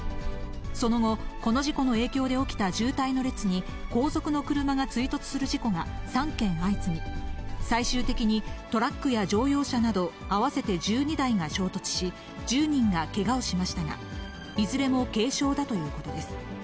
その後、この事故の影響で起きた渋滞の列に、後続の車が追突する事故が３件相次ぎ、最終的にトラックや乗用車など合わせて１２台が衝突し、１０人がけがをしましたが、いずれも軽傷だということです。